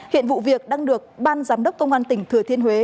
hiện vụ việc đang được ban giám đốc công an tỉnh thừa thiên huế